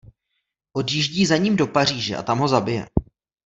Odjíždí za ním do Paříže a tam ho zabije.